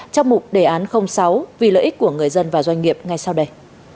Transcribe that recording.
trong mục đề án sáu vì lợi ích của người dân và doanh nghiệp ngay sau đây